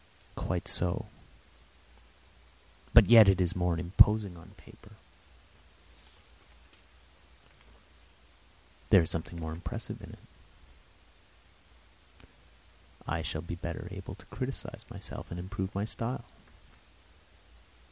Quite so; but yet it is more imposing on paper. There is something more impressive in it; I shall be better able to criticise myself and improve my style.